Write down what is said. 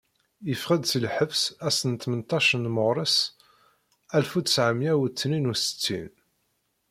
Yeffeɣ-d si lḥebs ass n tmenṭac deg meɣres alef u tesεemya u tnin u settin.